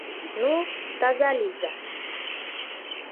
Ну, таза лийза!